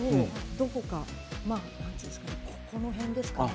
どこか、この辺ですかね。